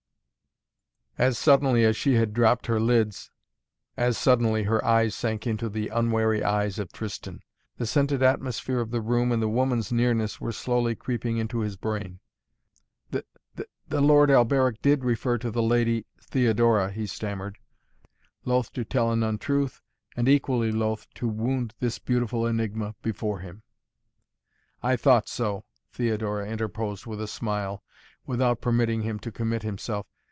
As suddenly as she had dropped her lids as suddenly her eyes sank into the unwary eyes of Tristan. The scented atmosphere of the room and the woman's nearness were slowly creeping into his brain. "The Lord Alberic did refer to the Lady Theodora," he stammered, loth to tell an untruth, and equally loth to wound this beautiful enigma before him. "I thought so!" Theodora interposed with a smile, without permitting him to commit himself.